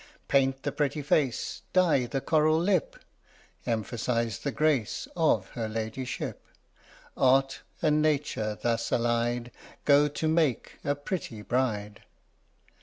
Paint the pretty face, Dye the coral lip, Emphasize the grace Of her ladyship! Art and nature thus allied Go to make a pretty bride.